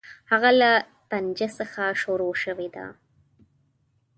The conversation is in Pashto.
هغه له طنجه څخه شروع شوې ده.